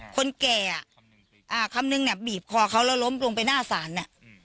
คนแก่คำนึงเนี่ยบีบคอเขาแล้วล้มลงไปหน้าศาลเนี่ย